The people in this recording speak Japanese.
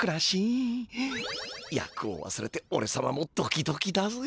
役をわすれておれさまもドキドキだぜ。